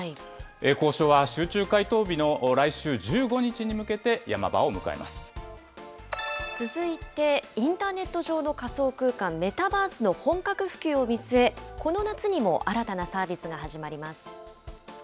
交渉は集中回答日の来週１５日に続いて、インターネット上の仮想空間、メタバースの本格普及を見据え、この夏にも新たなサービスが始まります。